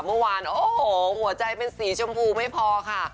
เมื่อวานโอ้โหหัวใจเป็นสีชมพูไม่พอค่ะ